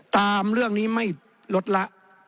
ตามเรื่องนี้ไม่ลดละ